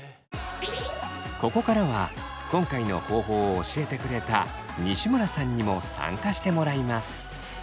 ここからは今回の方法を教えてくれた西村さんにも参加してもらいます。